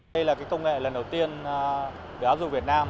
đây là công nghệ lần đầu tiên về áp dụng việt nam